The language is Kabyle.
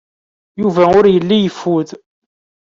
Yuba ur yelli yeffud.